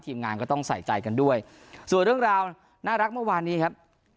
งานก็ต้องใส่ใจกันด้วยส่วนเรื่องราวน่ารักเมื่อวานนี้ครับ